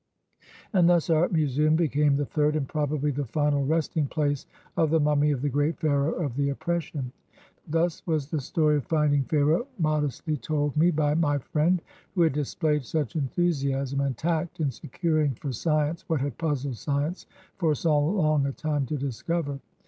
And thus our Museum became the tliird and probably the final resting place of the mummy of the great Pharaoh of the Oppression." Thus was the story of finding Pharaoh modestly told me by my friend who had displayed such enthusiasm and tact in securing for science what had puzzled science for so long a time to discover.